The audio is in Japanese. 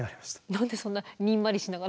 何でそんなにんまりしながら。